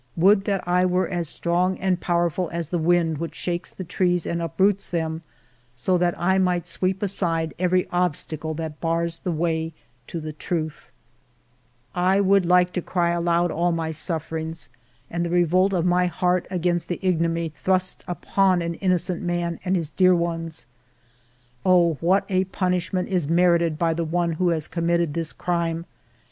Would that I were as strong and powerful as the wind which shakes the trees and uproots them, so that I might sweep aside every obstacle that bars the way to the truth ! 126 FIVE YEARS OF MY LIFE I would like to cry aloud all my sufferings, and the revolt of my heart against the ignominy thrust upon an innocent man and his dear ones. Oh, what a punishment is merited by the one who has committed this crime